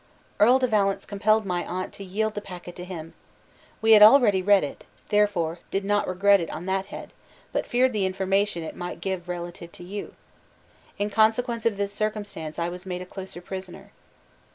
"Earl de Valence compelled my aunt to yield the packet to him. We had already read it, therefore did not regret it on that head, but feared the information it might give relative to you. In consequence of this circumstance, I was made a closer prisoner.